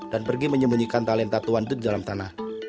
dan pergi menyembunyikan talenta tuan itu di dalam tanah